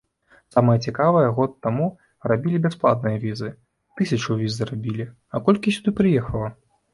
Самае цікавае, год таму рабілі бясплатныя візы, тысячу віз зрабілі, а колькі сюды прыехала?